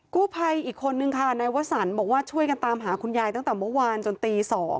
กู้ภัยอีกคนนึงค่ะนายวสันบอกว่าช่วยกันตามหาคุณยายตั้งแต่เมื่อวานจนตี๒